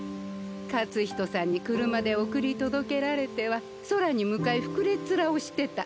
勝人さんに車で送り届けられては空に向かい膨れっ面をしてた。